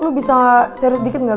lu bisa serius dikit gak